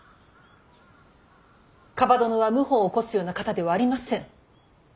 蒲殿は謀反を起こすような方ではありません。